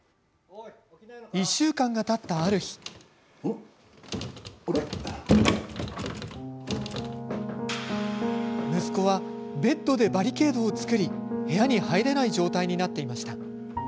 １週間がたったある日息子はベッドでバリケードを作り部屋に入れない状態になっていました。